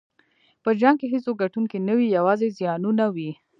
په جنګ کې هېڅوک ګټونکی نه وي، یوازې زیانونه وي.